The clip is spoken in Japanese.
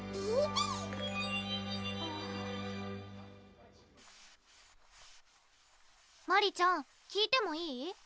ピピーマリちゃん聞いてもいい？